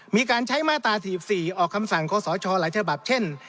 มีการใช้มาตราที่๒๔ออกคำสั่งโค้งสอชหลายภาพเช่น